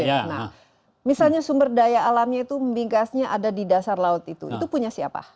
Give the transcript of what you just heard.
nah misalnya sumber daya alamnya itu migasnya ada di dasar laut itu itu punya siapa